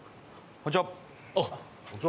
こんにちは。